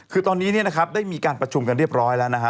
คือตอนนี้ได้มีการประชุมกันเรียบร้อยแล้ว